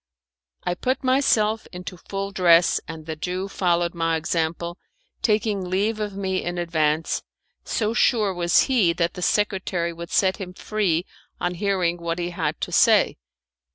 I put myself into full dress, and the Jew followed my example, taking leave of me in advance, so sure was he that the secretary would set him free on hearing what he had to say.